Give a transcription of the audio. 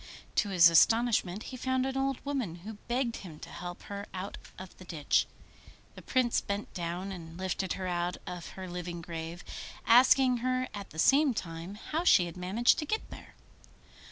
To his astonishment he found an old woman, who begged him to help her out of the ditch. The Prince bent down and lifted her out of her living grave, asking her at the same time how she had managed to get there.